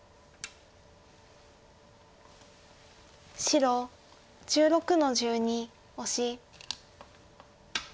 白１６の十二オシ。